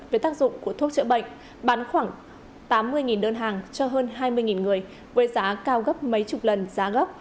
về tác dụng của thuốc chữa bệnh bán khoảng tám mươi đơn hàng cho hơn hai mươi người với giá cao gấp mấy chục lần giá gốc